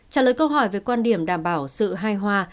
trả lời câu hỏi về quan điểm đảm bảo sự hài hòa